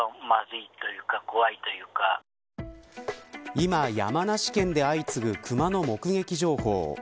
今山梨県で相次ぐクマの目撃情報。